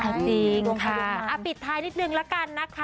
จริงปิดท้ายนิดนึงละกันนะคะ